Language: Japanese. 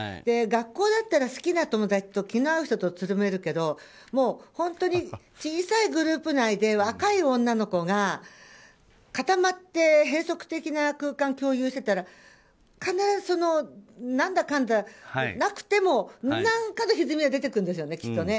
学校だったら好きな友達と気の合う人とつるめるけど本当に小さいグループ内で若い女の子が固まって閉塞的な空間を共有していたら必ず何だかんだなくても何かでひずみは出てくるんですよね。